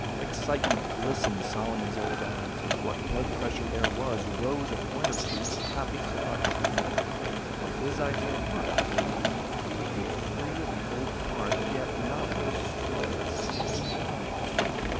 Excitement glistened Solomon's old eyes as what blood pressure there was rose a point or two with happy thoughts. If his idea worked, he would be free of the old cars, yet not destroy a single one.